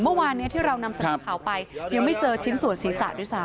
เมื่อวานนี้ที่เรานำเสนอข่าวไปยังไม่เจอชิ้นส่วนศีรษะด้วยซ้ำ